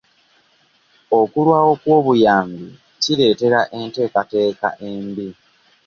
Okulwawo kw'obuyambi kireetera enteekateeka embi.